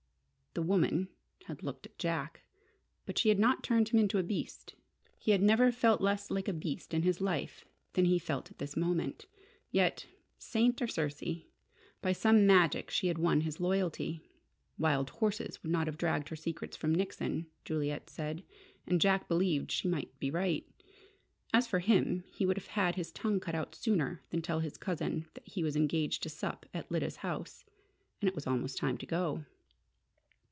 "The woman" had looked at Jack. But she had not turned him into a beast. He had never felt less like a beast in his life than he felt at this moment! Yet saint or Circe by some magic she had won his loyalty. "Wild horses" would not have dragged her secrets from Nickson, Juliet said, and Jack believed she might be right. As for him, he would have had his tongue cut out sooner than tell his cousin that he was engaged to sup at Lyda's house. And it was almost time to go!